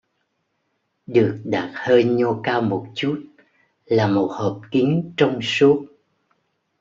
Được đặt hơi nhô cao một chút là một hộp kính trong suốt